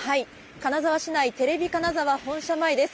金沢市内、テレビ金沢本社前です。